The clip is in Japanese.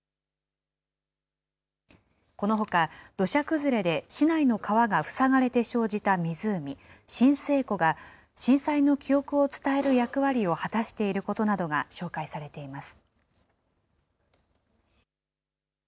このほか、土砂崩れで市内の川が塞がれて生じた湖、震生湖が、震災の記憶を伝える役割を果たしていることなどが紹介されています。